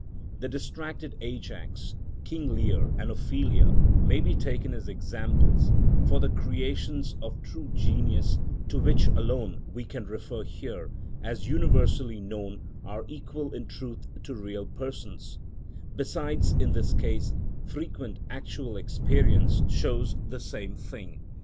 The distracted Ajax, King Lear, and Ophelia may be taken as examples; for the creations of true genius, to which alone we can refer here, as universally known, are equal in truth to real persons; besides, in this case, frequent actual experience shows the same thing.